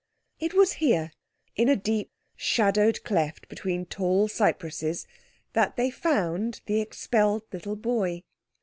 It was here, in a deep, shadowed cleft between tall cypresses, that they found the expelled little boy.